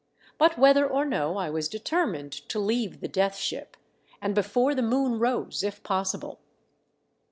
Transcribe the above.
But whether or no, I was determined to leave the Death Ship, and before the moon rose ^if possible.